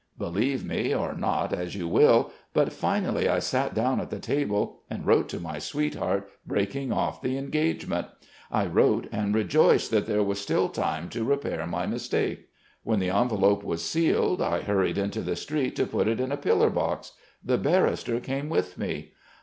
"Believe me or not as you will, but finally I sat down at the table and wrote to my sweetheart breaking off the engagement. I wrote and rejoiced that there was still time to repair my mistake. When the envelope was sealed I hurried into the street to put it in a pillar box. The barrister came with me.